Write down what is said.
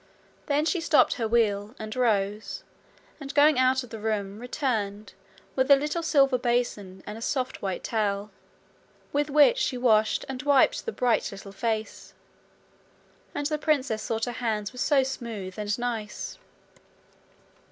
Then she stopped her wheel, and rose, and, going out of the room, returned with a little silver basin and a soft white towel, with which she washed and wiped the bright little face. And the princess thought her hands were so smooth and nice!